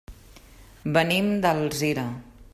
Venim d'Alzira.